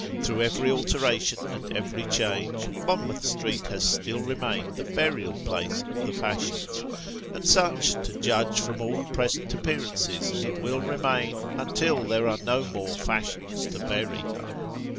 Through every alteration and every change, Monmouth Street has still remained the burial place of the fashions ; and such, to judge from all present appearances, it will remain until there are no more fashions to bury.